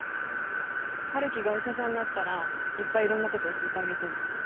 春樹がお医者さんになったらいっぱいいろんなこと教えてあげてね。